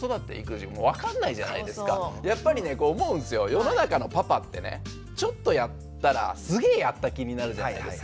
世の中のパパってねちょっとやったらすげえやった気になるじゃないですか。